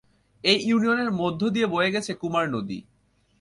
এই ইউনিয়নের মধ্য দিয়ে বয়ে গেছে কুমার নদী।